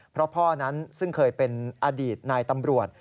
เพราะพ่อนั้นซึ่งเคยเป็นอดีตนายตำรวจ